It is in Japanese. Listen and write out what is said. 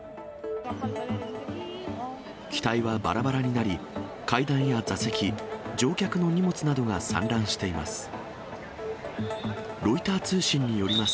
機体はばらばらになり、階段や座席、乗客の荷物などが散乱しています。